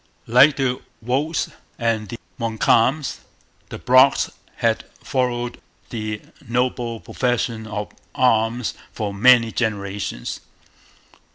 Like the Wolfes and the Montcalms, the Brocks had followed the noble profession of arms for many generations.